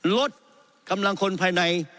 ลดกำลังคนภายใน